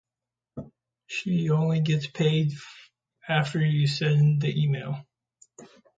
She only gets paid after you send the email.